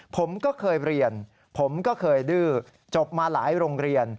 ผมก็เคยเรียนผมก็เคยดื้อจบมาหลายโรงเรียน